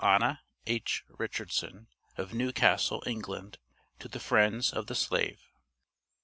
ANNA H. RICHARDSON, OF NEWCASTLE, ENGLAND. TO THE FRIENDS OF THE SLAVE.